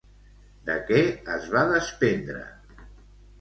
De què es va despendre?